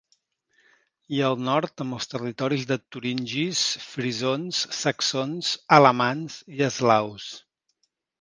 I al nord amb els territoris de turingis, frisons, saxons, alamans i eslaus.